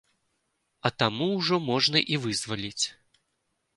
А таму ўжо можна і вызваліць.